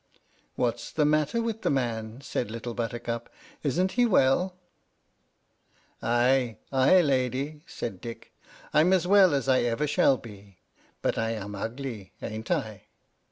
"What's the matter with the man?" said Little Buttercup; " isn't he well?" "Aye, aye, lady," said Dick, " I'm as well as ever I shall be. But I am ugly, ain't I?"